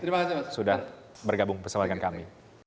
terima kasih sudah bergabung bersama dengan kami